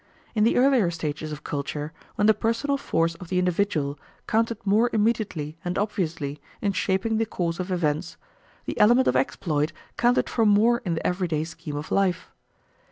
In the earlier stages of culture, when the personal force of the individual counted more immediately and obviously in shaping the course of events, the element of exploit counted for more in the everyday scheme of life.